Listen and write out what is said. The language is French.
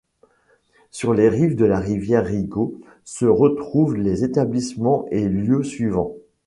Sur les rives de la rivière Rigaud se retrouvent les établissements et lieux suivants.